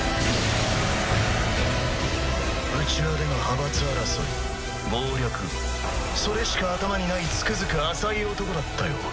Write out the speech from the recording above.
内輪での派閥争い謀略それしか頭にないつくづく浅い男だったよ